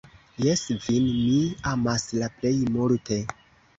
Jes, vin mi amas la plej multe!